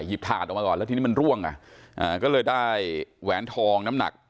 ถาดออกมาก่อนแล้วทีนี้มันร่วงอ่ะอ่าก็เลยได้แหวนทองน้ำหนัก